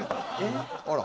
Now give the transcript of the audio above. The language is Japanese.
あら。